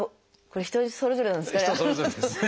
人それぞれなんですかね。